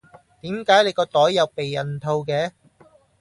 點解你個袋有避孕套嘅？